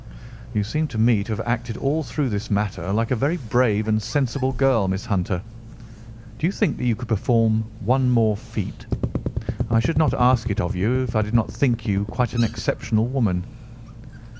"You seem to me to have acted all through this matter like a very brave and sensible girl, Miss Hunter. Do you think that you could perform one more feat? I should not ask it of you if I did not think you a quite exceptional woman."